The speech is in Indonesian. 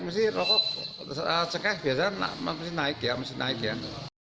misalnya rokok cengkeh biasanya naik ya